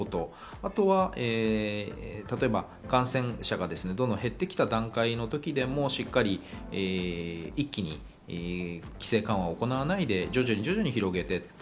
あとは例えば、感染者が減ってきた段階の時でもしっかり一気に規制緩和を行わないで徐々に広げていった。